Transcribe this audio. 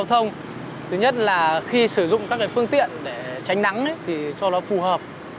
thứ nhất là khi sử dụng các phương tiện để tránh nắng thì cho nó phù hợp